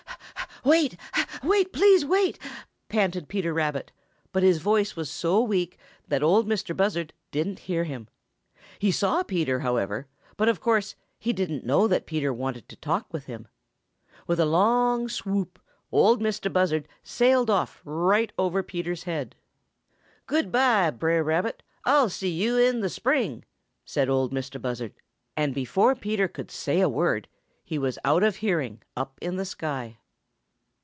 "Wait! Wait! Please wait!" panted Peter Rabbit, but his voice was so weak that Ol' Mistah Buzzard didn't hear him. He saw Peter, however, but of course he didn't know that Peter wanted to talk with him. With a long swoop, Ol' Mistah Buzzard sailed off right over Peter's head. "Good by, Brer Rabbit; Ah'll see yo' in the spring!" said Ol' Mistah Buzzard, and before Peter could say a word, he was out of hearing up in the sky.